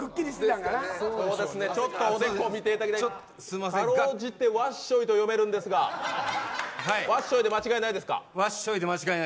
ちょっとおでこ見ていただきたいかろうじてわっしょいと読めるんですがわっしょいで間違いないです。